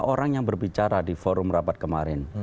ada tiga puluh lima orang yang berbicara di forum rapat kemarin